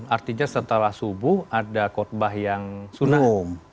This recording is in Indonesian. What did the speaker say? artinya setelah subuh ada khutbah yang sunnah